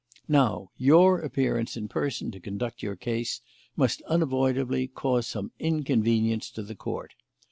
Now, your appearance in person to conduct your case must, unavoidably, cause some inconvenience to the Court.